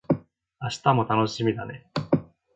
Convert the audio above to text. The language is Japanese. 明日も楽しみだね